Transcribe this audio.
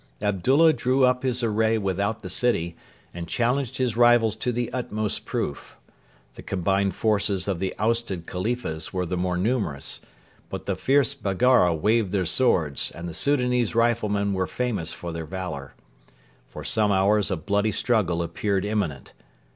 Abdullah drew up his array without the city, and challenged his rivals to the utmost proof. The combined forces of the ousted Khalifas were the more numerous. But the fierce Baggara waved their swords, and the Soudanese riflemen were famous for their valour. For some hours a bloody struggle appeared imminent.